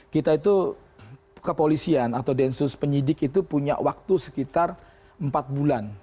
kita itu kepolisian atau densus penyidik itu punya waktu sekitar empat bulan